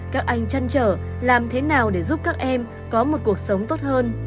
các anh chăn trở làm thế nào để giúp các em có một cuộc sống tốt hơn